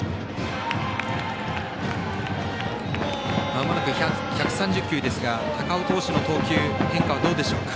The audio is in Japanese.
まもなく１３０球ですが高尾投手の投球変化はどうでしょうか。